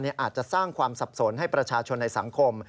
อาจจะสร้างความสับสนให้ประชาชนในสังคม